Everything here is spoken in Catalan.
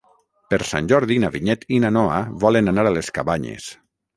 Per Sant Jordi na Vinyet i na Noa volen anar a les Cabanyes.